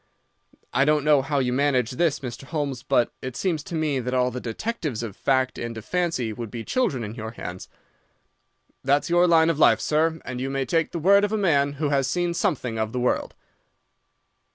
I don't know how you manage this, Mr. Holmes, but it seems to me that all the detectives of fact and of fancy would be children in your hands. That's your line of life, sir, and you may take the word of a man who has seen something of the world.